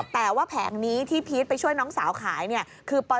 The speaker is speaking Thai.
แต่ว่าแผงนี้ที่พีชไปช่วยน้องสาวขายเนี่ยคือป๔